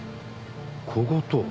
小言？